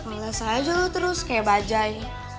ules aja lo terus kayak bajaj